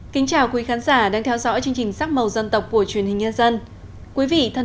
xin chào quý khán giả đang theo dõi chương trình sắc màu dân tộc của truyền hình nhân dân quý vị thân